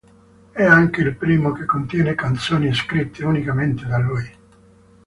È anche il primo che contiene canzoni scritte unicamente da lui.